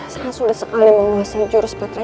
sangat sulit sekali menguasai jurus baterai